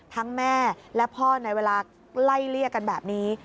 แม่และพ่อในเวลาไล่เลี่ยกันแบบนี้